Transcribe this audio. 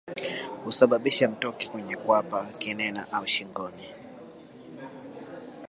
Husababisha mtoki kwenye kwapa kinena au shingoni